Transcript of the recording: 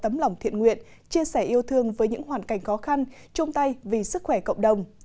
tấm lòng thiện nguyện chia sẻ yêu thương với những hoàn cảnh khó khăn chung tay vì sức khỏe cộng đồng